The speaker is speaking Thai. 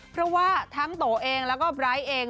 เพราะว่าทั้งโตเองแล้วก็ไบร์ทเอง